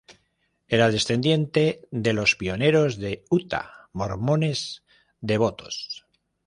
Era descendiente de los pioneros de Utah, mormones devotos.